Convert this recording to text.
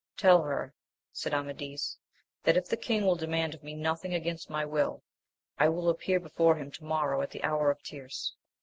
Tell her, said Amadis, that if the king will demand of me nothing against my will, I will appear before him to morrow at the hour of tierce.